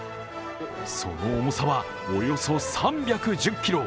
その重さはおよそ３１０ｋｇ。